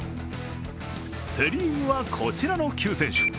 セ・リーグはこちらの９選手。